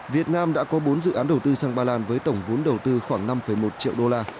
việt nam đã có bốn dự án đầu tư sang ba lan với tổng vốn đầu tư khoảng năm một triệu đô la